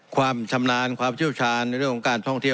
ความชำนาญความเชี่ยวชาญในเรื่องของการท่องเที่ยว